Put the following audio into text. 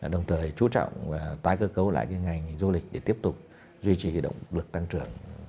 đồng thời chú trọng và tái cơ cấu lại cái ngành du lịch để tiếp tục duy trì cái động lực tăng trưởng